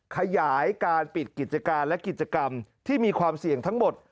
ขยายการปิดกิจการและกิจกรรมที่มีความเสี่ยงทั้งหมด